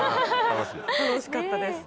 楽しかったです。